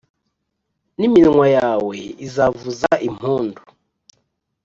n’iminwa yawe izavuza impundu